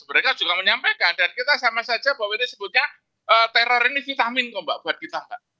mereka juga menyampaikan dan kita sama saja bahwa ini sebutnya teror ini vitamin kok mbak buat kita mbak